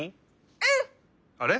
うん！あれ？